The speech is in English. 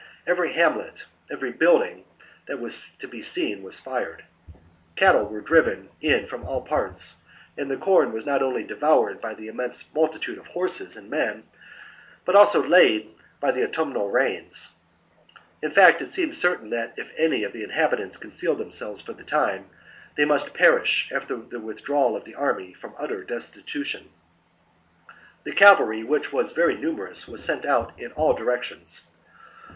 Every hamlet, every building that was to be seen was fired ; cattle were driven VI THE DOOM OF THE EBURONES 203 in from all parts ; and the corn was not only 53 b.c. devoured by the immense multitude of horses and men, but also laid by the autumnal rains. In fact, it seemed certain that even if any of the inhabitants concealed themselves for the time, they must perish, after the withdrawal of the army, from utter destitution. The cavalry, which was very numerous, was sent out in all directions.